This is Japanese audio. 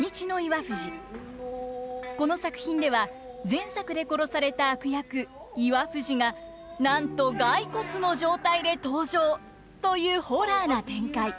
この作品では前作で殺された悪役岩藤がなんと骸骨の状態で登場というホラーな展開。